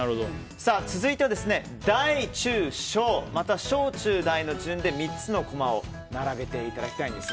続いては、大・中・小また小・中・大の順で３つのコマを並べていただきたいんです。